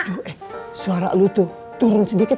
tuh eh suara lu tuh turun sedikit